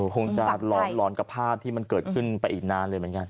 คงจะร้อนกับภาพที่มันเกิดขึ้นไปอีกนานเลยเหมือนกัน